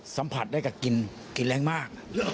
สัมผัสได้กับกินกินแรงมาก